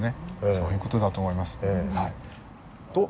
そういう事だと思います。